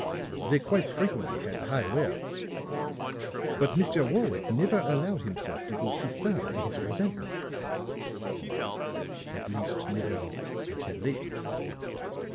They quite frequently had high words; but Mr. Warwick never allowed himself to go too far in his resentment at least never until lately.